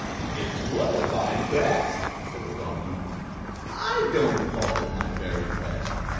"It's one of my best," said the Donkey. "I don't call it my very best.